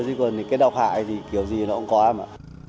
thế còn cái độc hại thì kiểu gì nó cũng có mà